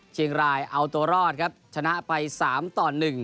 เชียงรายเอาตัวรอดครับชนะไป๓ต่อ๑